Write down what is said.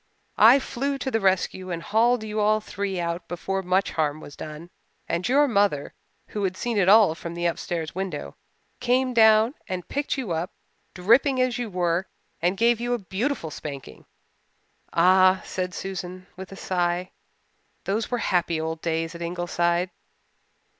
I flew to the rescue and hauled you all three out before much harm was done, and your mother, who had seen it all from the upstairs window, came down and picked you up, dripping as you were, and gave you a beautiful spanking. Ah," said Susan with a sigh, "those were happy old days at Ingleside."